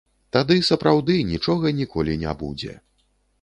Тады сапраўды нічога ніколі не будзе.